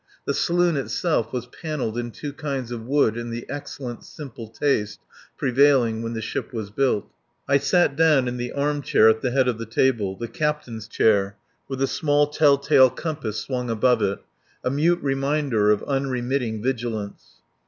The saloon itself was panelled in two kinds of wood in the excellent simple taste prevailing when the ship was built. I sat down in the armchair at the head of the table the captain's chair, with a small tell tale compass swung above it a mute reminder of unremitting vigilance.